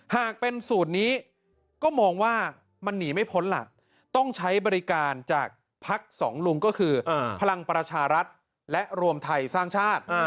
หากเป็นสูตรนี้ก็มองว่ามันหนีไม่พ้นล่ะต้องใช้บริการจากพักสองลุงก็คือพลังประชารัฐและรวมไทยสร้างชาติ